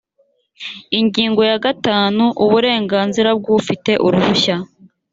ingingo ya gatanu uburenganzira bw ufite uruhushya